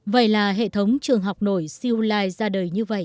vậy là hệ thống trường học nổi siêu lai